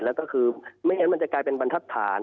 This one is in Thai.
แล้วก็คือไม่งั้นมันจะกลายเป็นบรรทัศน